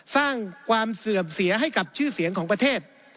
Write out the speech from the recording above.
สร้างความเสื่อมเสียให้กับชื่อเสียงของประเทศ